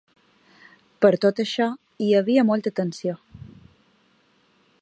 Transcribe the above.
Per tot això, hi havia molta tensió.